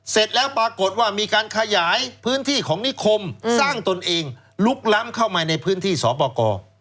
เสร็จแล้วปรากฏว่ามีการขยายพื้นที่ของนิคมสร้างตนเองลุกล้ำเข้ามาในพื้นที่สอปกร